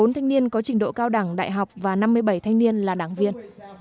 một trăm linh bốn thanh niên có trình độ cao đẳng đại học và năm mươi bảy thanh niên là đảng viên